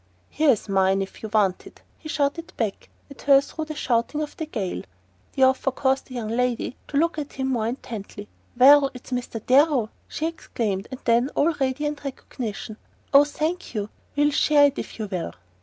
"Here's mine if you want it!" he shouted back at her through the shouting of the gale. The offer caused the young lady to look at him more intently. "Why, it's Mr. Darrow!" she exclaimed; and then, all radiant recognition: "Oh, thank you! We'll share it, if you will."